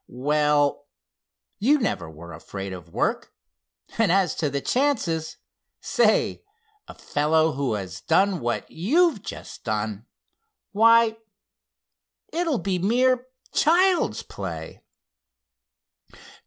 "Well, you never were afraid of work, and as to the chances—say, a fellow who has done what you've just done—why, it'll be mere child's play!"